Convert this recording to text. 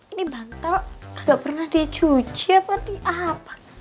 ini bantal gak pernah dicuci apa diapa